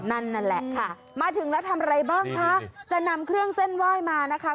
นั่นแหละค่ะมาถึงแล้วทำอะไรบ้างคะจะนำเครื่องเส้นไหว้มานะคะ